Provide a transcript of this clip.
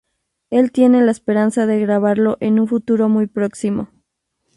Él tiene la esperanza de grabarlo en un futuro muy próximo.